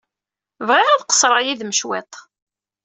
Bɣiɣ ad qeṣṣreɣ yid-m cwiṭ.